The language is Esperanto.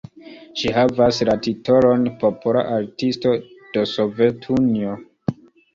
Ŝi havas la titolon "Popola Artisto de Sovetunio".